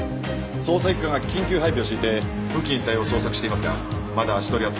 捜査一課が緊急配備を敷いて付近一帯を捜索していますがまだ足取りはつかめていません。